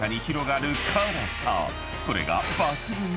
［これが］